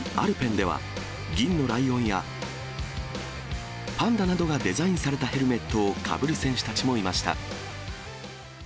スキーアルペンでは、銀のライオンや、パンダなどがデザインされたヘルメットをかぶる選手たちもいました。